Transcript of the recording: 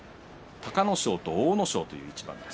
隆の勝と阿武咲という一番です。